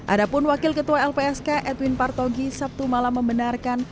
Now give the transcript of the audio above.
adapun wakil ketua lpsk edwin partogi sabtu malam membenarkan